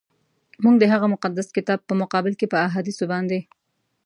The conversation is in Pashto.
موږ د هغه مقدس کتاب په مقابل کي په احادیثو باندي.